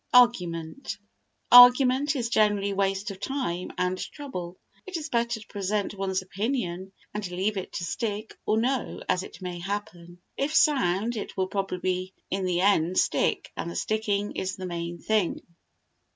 Argument Argument is generally waste of time and trouble. It is better to present one's opinion and leave it to stick or no as it may happen. If sound, it will probably in the end stick, and the sticking is the main thing.